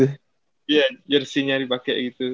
iya jersinya dipake gitu